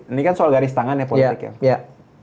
ini kan soal garis tangan ya politik ya